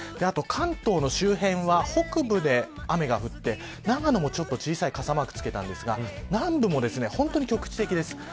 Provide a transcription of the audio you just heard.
あと関東の周辺は北部で雨が降って長野も小さい傘マークをつけましたが南部も本当に局地的です。